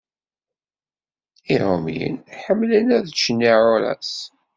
Iṛumyen ḥemmlen ad ččen iɛuṛas.